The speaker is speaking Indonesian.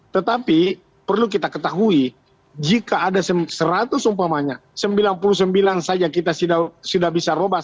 tetapi perlu kita ketahui jika ada seratus umpamanya sembilan puluh sembilan saja kita sudah bisa robah